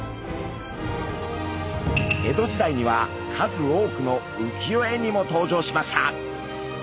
江戸時代には数多くの浮世絵にも登場しました。